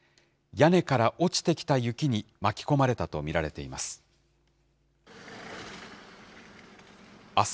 屋根から落ちてきた雪に巻き込まれたと見られています。